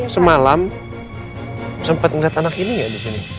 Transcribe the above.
semalam sempat ngeliat anak ini gak disini